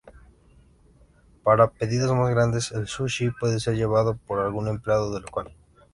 Para pedidos más grandes, el sushi puede ser llevado por algún empleado del local.